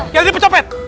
ya jadi pecopet